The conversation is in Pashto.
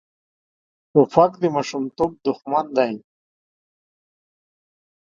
توپک د ماشومتوب دښمن دی.